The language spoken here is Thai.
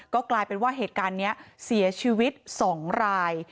ก็กลายเป็นว่าเหตุการณ์นี้เสียชีวิต๒ราย